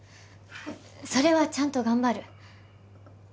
それはちゃんと頑張る